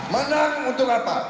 menang untuk apa